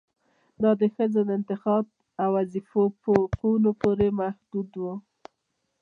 دا د ښځو د انتخاب او وظيفو په حقونو پورې محدود و